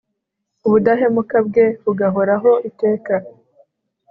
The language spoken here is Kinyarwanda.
ubudahemuka bwe bugahoraho iteka